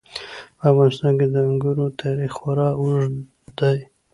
په افغانستان کې د انګورو تاریخ خورا اوږد دی.